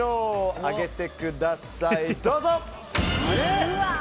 上げてください、どうぞ！